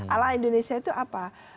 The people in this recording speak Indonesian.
ala indonesia itu apa